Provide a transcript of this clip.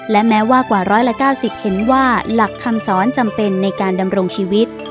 และแม้ว่ากว่า๑๙๐เห็นว่าหลักคำสอนจำเป็นในการดำรงชีวิต